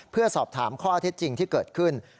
เพื่อสอบถามข้อเท็จจริงที่เกิดขึ้น